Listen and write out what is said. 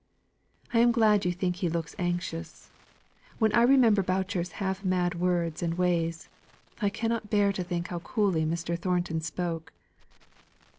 I am glad you think he looks anxious. When I remember Boucher's half mad words and ways, I cannot bear to think how coolly Mr. Thornton spoke."